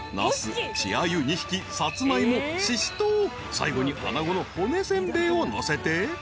［最後にアナゴの骨煎餅をのせて］